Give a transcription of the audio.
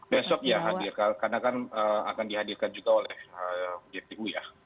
besok ya hadir karena kan akan dihadirkan juga oleh jpu ya